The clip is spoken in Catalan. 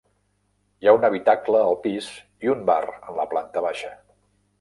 Hi ha un habitacle al pis i un bar en la planta baixa.